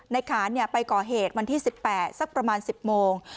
ขานไปก่อเหตุวันที่๑๘สักประมาณ๑๐โมง